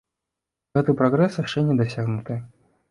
Гэты прагрэс яшчэ не дасягнуты.